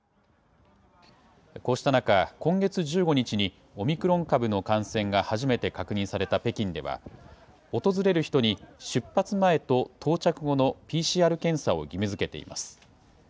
こうした中、今月１５日にオミクロン株の感染が初めて確認された北京では、訪れる人に出発前と到着後のＰＣＲ検査を義務づけています。